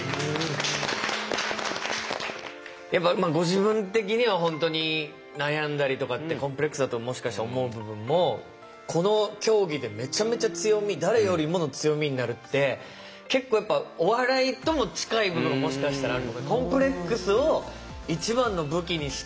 やっぱご自分的には本当に悩んだりとかってコンプレックスだともしかして思う部分もこの競技でめちゃめちゃ強み誰よりもの強みになるって結構やっぱお笑いとも近い部分がもしかしたらある。